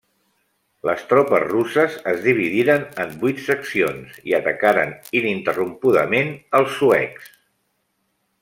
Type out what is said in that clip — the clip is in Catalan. Les tropes russes es dividiren en vuit seccions i atacaren ininterrompudament als suecs.